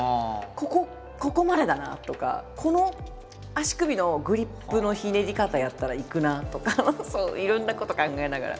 ここここまでだなとかこの足首のグリップのひねり方やったらいくなとかいろんなこと考えながら。